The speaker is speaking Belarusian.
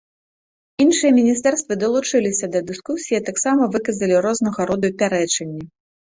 Іншыя міністэрствы далучыліся да дыскусіі і таксама выказалі рознага роду пярэчанні.